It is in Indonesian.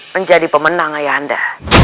menjadi pemenang ayahanda